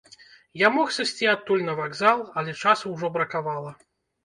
Я мог сысці адтуль на вакзал, але часу ўжо бракавала.